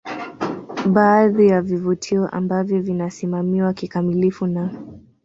Baadhi ya vivutio ambavyo vinasimamiwa kikamilifu na